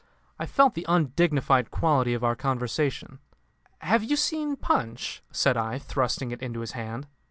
I felt the undignified quality of our conversation. "Have you seen Punch?" said I, thrusting it into his hand.